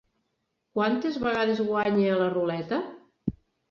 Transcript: Quantes vegades guanya a la ruleta?